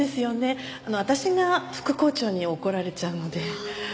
私が副校長に怒られちゃうので。